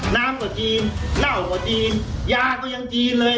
น้ำก็จีนเน่าก็จีนยาก็ยังจีนเลย